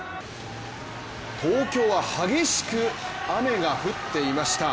東京は激しく雨が降っていました。